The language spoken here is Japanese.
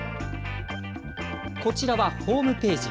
こちらはホームページ。